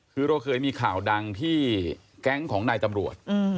คือเราเคยมีข่าวดังที่แก๊งของนายตำรวจ